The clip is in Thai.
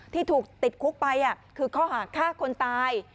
ที่ถูกติดคุกไปคือข้อหาฆ่าคนตาย